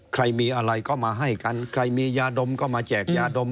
ใครมีอะไรก็มาให้กันใครมียาดมก็มาแจกยาดม